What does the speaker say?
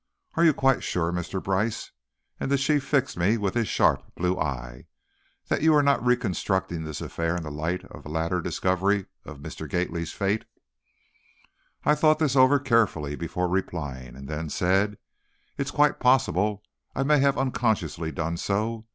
"Are you quite sure, Mr. Brice," and the Chief fixed me with his sharp blue eye, "that you are not reconstructing this affair in the light of the later discovery of Mr. Gately's fate?" I thought this over carefully before replying, and then said: "It's quite possible I may have unconsciously done so.